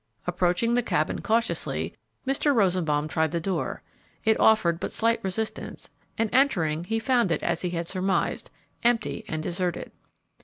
Approaching the cabin cautiously, Mr. Rosenbaum tried the door; it offered but slight resistance, and, entering, he found it, as he had surmised, empty and deserted.